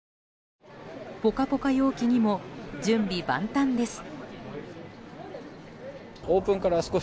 ポカポカ陽気にも準備万端です。